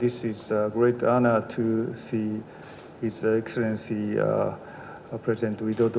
ini adalah kebahagiaan besar untuk melihat presiden widodo